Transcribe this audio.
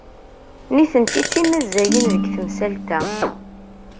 Nitenti d timazzayin deg temsalt-a.